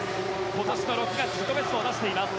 今年の６月自己ベストを出しています。